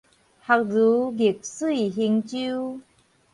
學如逆水行舟